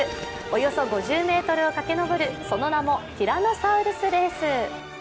およそ５０ｍを駆け上る、その名もティラノサウルスレース。